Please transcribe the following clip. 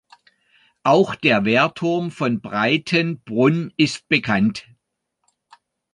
Auch der Wehrturm von Breitenbrunn ist bekannt.